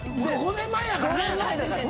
⁉５年前やからね！